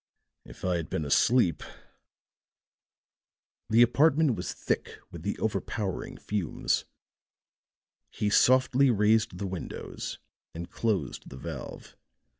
If I had been asleep " The apartment was thick with the overpowering fumes; he softly raised the windows and closed the valve.